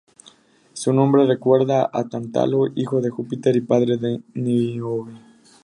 Su nombre recuerda a Tántalo, hijo de Júpiter y padre de Níobe.